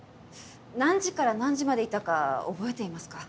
何時から何時までいたか覚えていますか？